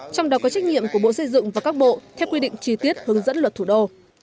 trong đó có trách nhiệm của bộ xây dựng và các bộ theo quy định chi tiết hướng dẫn luật thủ đô